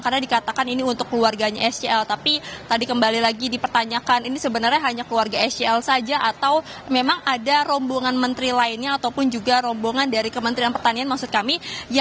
karena dikatakan ini untuk keluarganya sgl tapi tadi kembali lagi dipertanyakan ini sebenarnya hanya keluarga sgl saja atau memang ada rombongan menteri lainnya ataupun juga rombongan dari kementerian pertanian maksud kami